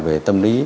về tâm lý